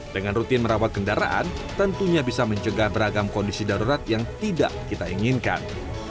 dengan rutin merawat kendaraan tentunya bisa mencegah beragam kondisi darurat yang tidak kita inginkan